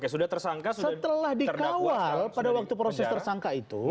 setelah dikawal pada waktu proses tersangka itu